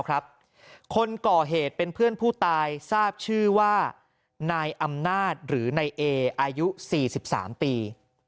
คนก่อเหตุเป็นเพื่อนผู้ตายทราบชื่อว่านายอำนาจหรือนายเออายุ๔๓ปี